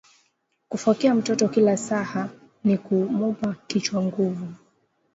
Kufokea mtoto kila saha nikumupa kichwa nguvu